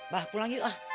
bah pulang yuk ah